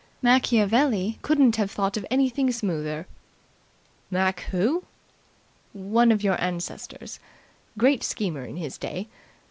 Machiavelli couldn't have thought of anything smoother." "Mac Who?" "One of your ancestors. Great schemer in his day.